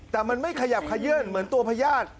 แต่มันไม่ขยับขยื่นเหมือนตัวพญาติ